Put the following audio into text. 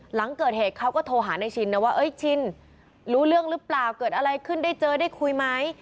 หลังเกิดเหตุเขาก็โทรหานายชินนะว่าชินรู้เรื่องหรือเปล่าเกิดอะไรขึ้นได้เจอได้คุยไหม